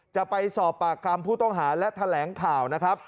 จะไปสอบปากคำผู้ต้องหาและแถลงข่าวนะครับ